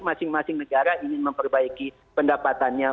masing masing negara ingin memperbaiki pendapatannya